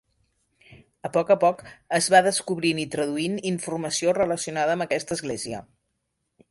A poc a poc es va "descobrint" i traduint informació relacionada amb aquesta església.